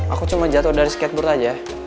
aku cuma jatuh dari skateboard aja